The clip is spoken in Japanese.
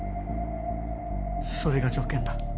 それが条件だ。